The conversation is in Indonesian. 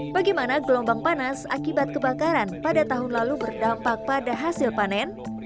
bagaimana gelombang panas akibat kebakaran pada tahun lalu berdampak pada hasil panen